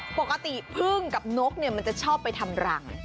ปกติพึ่งกับนกมันจะชอบไปทำรัง